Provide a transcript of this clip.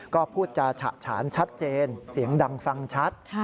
ก็พูดจาฉะฉานชัดเจนเสียงดังฟังชัด